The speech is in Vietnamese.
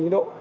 cho tiến độ